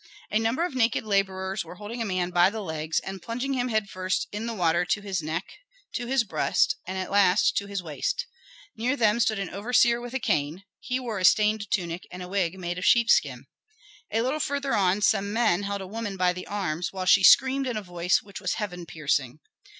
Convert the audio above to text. A number of naked laborers were holding a man by the legs and plunging him head first in the water to his neck, to his breast, and at last to his waist. Near them stood an overseer with a cane; he wore a stained tunic and a wig made of sheepskin. A little farther on some men held a woman by the arms, while she screamed in a voice which was heaven piercing.